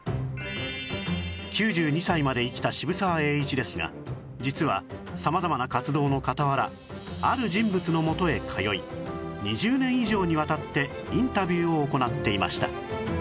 ９２歳まで生きた渋沢栄一ですが実は様々な活動の傍らある人物のもとへ通い２０年以上にわたってインタビューを行っていました